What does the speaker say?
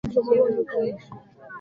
Kupunguza wingi wa kemikali ya phytates